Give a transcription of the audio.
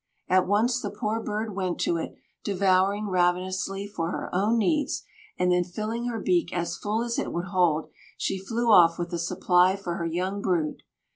At once the poor bird went to it, devouring ravenously for her own needs, and then, filling her beak as full as it would hold, she flew off with a supply for her young brood.